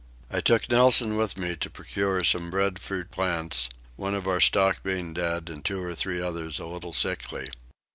I took Nelson with me to procure some breadfruit plants, one of our stock being dead and two or three others a little sickly.